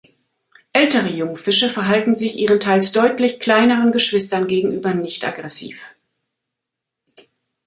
Ältere Jungfische verhalten sich ihren teils deutlich kleineren Geschwistern gegenüber nicht aggressiv.